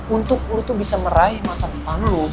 untuk lo tuh bisa meraih masa depan lo